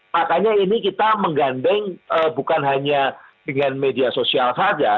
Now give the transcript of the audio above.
makanya ini kita menggandeng bukan hanya dengan media sosial saja